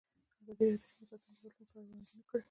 ازادي راډیو د حیوان ساتنه د راتلونکې په اړه وړاندوینې کړې.